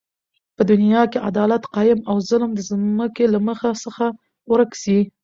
په دنیا کی عدالت قایم او ظلم د ځمکی له مخ څخه ورک سی